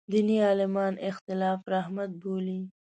دیني عالمان اختلاف رحمت بولي.